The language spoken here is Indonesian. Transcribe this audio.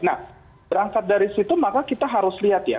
nah berangkat dari situ maka kita harus lihat ya